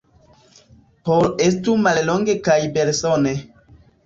Por estu mallonge kaj belsone.